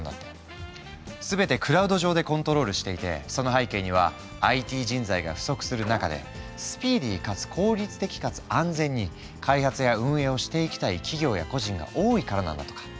全てクラウド上でコントロールしていてその背景にはＩＴ人材が不足する中でスピーディーかつ効率的かつ安全に開発や運営をしていきたい企業や個人が多いからなんだとか。